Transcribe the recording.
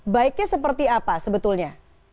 baiknya seperti apa sebetulnya